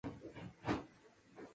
Es nativo del sureste Asiático.